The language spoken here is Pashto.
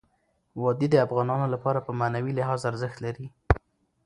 وادي د افغانانو لپاره په معنوي لحاظ ارزښت لري.